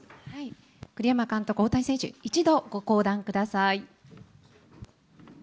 栗山監督、大谷選手、一度ご降壇ください。